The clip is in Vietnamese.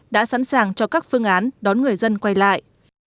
đã sẵn sàng cho các phương án đón người dân quay lại